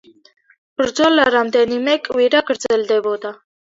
ბრძოლა რამდენიმე კვირა გრძელდებოდა.